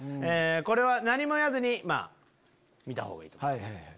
これは何も言わずに見たほうがいいと思います。